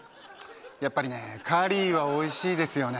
やっぱりねカリーはおいしいですよね